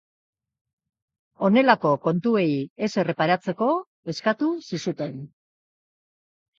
Honelako kontuei ez erreparatzeko eskatu zizuten.